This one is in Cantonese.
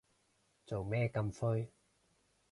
做咩咁灰